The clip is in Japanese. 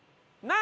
何？